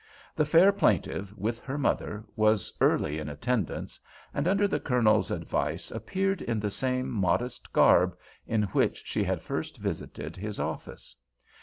The fair plaintiff, with her mother, was early in attendance, and under the Colonel's advice appeared in the same modest garb in which she had first visited his office.